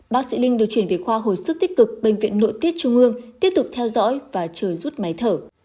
bác sĩ linh được chuyển về khoa hồi sức tích cực bệnh viện nội tiết trung ương tiếp tục theo dõi và chờ rút máy thở